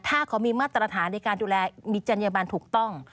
ถ้าเขามีมาตรฐานในการดูแลมีจัญญบันถูกต้อง